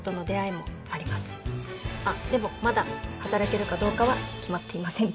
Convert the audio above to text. あっでもまだ働けるかどうかは決まっていません。